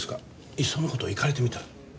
いっその事行かれてみたら？